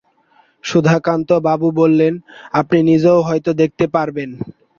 সুধাকান্তবাবু বললেন, আপনি নিজেও হয়তো দেখতে পারবেন!